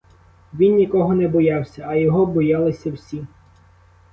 Він нікого не боявся, а його боялися всі.